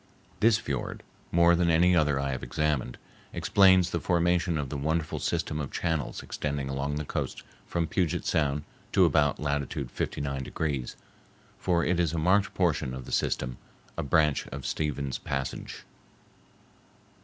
This fiord, more than any other I have examined, explains the formation of the wonderful system of channels extending along the coast from Puget Sound to about latitude 59 degrees, for it is a marked portion of the system,—a branch of Stephens Passage.